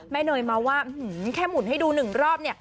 แม่เนยมาว่าแค่หมุนให้ดูหนึ่งรอบ